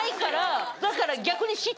だから逆に。